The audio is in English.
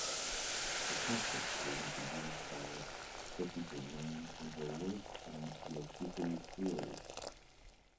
The concept was introduced by Sophie Germain in her work on elasticity theory.